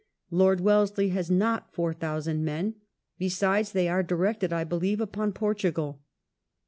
Lord Wellesley has not 4000 men. Besides, they are directed, I believe, upon Portugal."